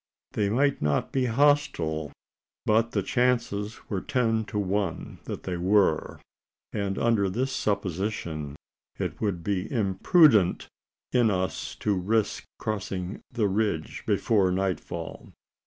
They might not be hostile; but the chances were ten to one that they were; and, under this supposition, it would be imprudent in us to risk crossing the ridge before nightfall.